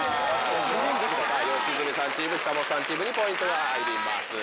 良純さんチーム久本さんチームにポイントが入ります。